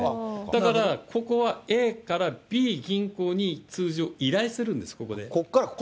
だからここはＡからＢ銀行に通常依頼するんです、ここで。